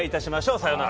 さよなら。